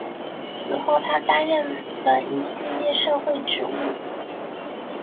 此后他担任了一系列社会职务。